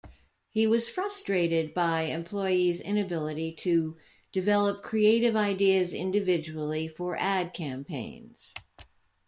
He was frustrated by employees' inability to develop creative ideas individually for ad campaigns.